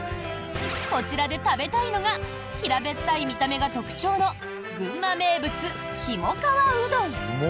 こちらで食べたいのが平べったい見た目が特徴の群馬名物ひもかわうどん。